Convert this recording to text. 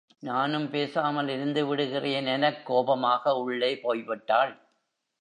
நானும் பேசாமல் இருந்துவிடுகிறேன் எனக் கோபமாக உள்ளே போய்விட்டாள்.